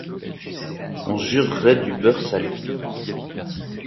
On jurerait du beurre salé …